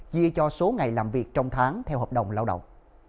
chia cho số ngày làm việc trong tháng theo hợp đồng lao động